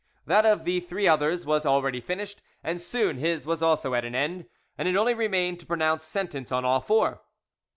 That of the three others was already finished, and soon his was also at an end, and it only remained to pronounce sentence on all four.